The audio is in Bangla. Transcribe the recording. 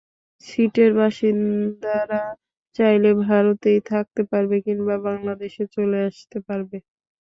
ছিটের বাসিন্দারা চাইলে ভারতেই থাকতে পারবে কিংবা বাংলাদেশে চলে আসতে পারবে।